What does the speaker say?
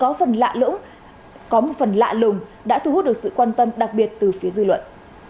có phần lạ có một phần lạ lùng đã thu hút được sự quan tâm đặc biệt từ phía dư luận